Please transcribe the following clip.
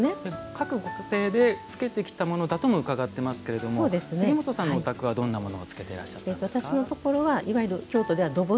各ご家庭で漬けてきたものだとも伺っていますが杉本さんのお宅はどんなものを漬けてらっしゃいましたか？